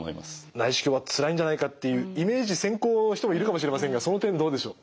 内視鏡はつらいんじゃないかっていうイメージ先行の人もいるかもしれませんがその点どうでしょう？